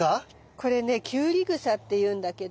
これねキュウリグサっていうんだけど。